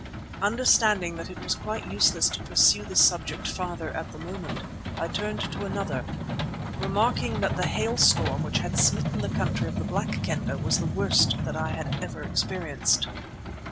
Understanding that it was quite useless to pursue this subject farther at the moment, I turned to another, remarking that the hailstorm which had smitten the country of the Black Kendah was the worst that I had ever experienced.